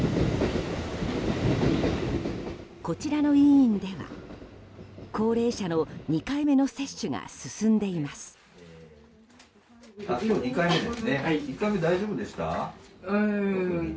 こちらの医院では高齢者の２回目の接種が進んでいます。